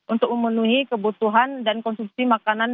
untuk memenuhi kebutuhan dan konsumsi makanan